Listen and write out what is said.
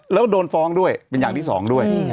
แล้วโดนฟ้องด้วยเป็นอย่างที่สองด้วย